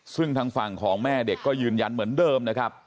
ซึ่งทางฝั่งของแม่เด็กก็ยืนยันเหมือนเดิมนะครับ